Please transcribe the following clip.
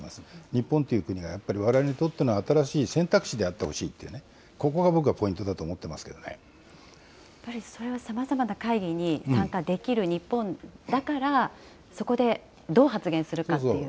日本っていう国はやっぱり、われわれにとっての新しい選択肢であってほしいっていうね、ここが僕やっぱりそれはさまざまな会議に参加できる日本だから、そこでどう発言するかっていう。